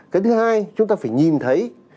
cái thứ hai chúng ta phải nhìn thấy